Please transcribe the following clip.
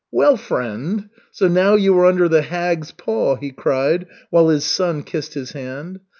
"Well, friend, so now you are under the hag's paw," he cried, while his son kissed his hand.